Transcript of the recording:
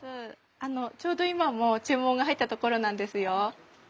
あのちょうど今も注文が入ったところなんですよ。